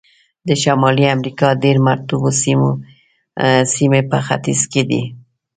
د شمالي امریکا ډېر مرطوبو سیمې په ختیځ کې دي.